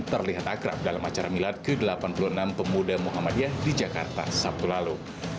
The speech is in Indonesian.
terlihat akrab dalam acara milad ke delapan puluh enam pemuda muhammadiyah di jakarta sabtu lalu